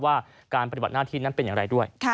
ว่าการปฏิบัติหน้าที่นั้นเป็นอย่างไรด้วย